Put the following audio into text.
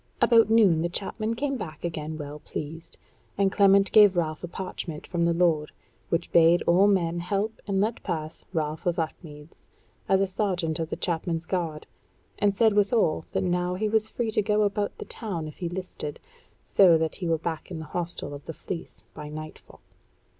About noon the chapmen came back again well pleased; and Clement gave Ralph a parchment from the lord, which bade all men help and let pass Ralph of Upmeads, as a sergeant of the chapmen's guard, and said withal that now he was free to go about the town if he listed, so that he were back at the hostel of the Fleece by nightfall.